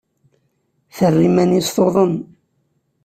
Terra iman-nnes tuḍen.